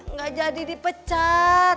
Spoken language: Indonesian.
enggak jadi dipecat